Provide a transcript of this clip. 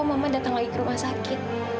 mama datang lagi ke rumah sakit